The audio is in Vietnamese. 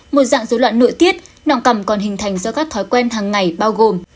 một dạng dấu loạn nội tiết nọng cằm còn hình thành do các thói quen hàng ngày bao gồm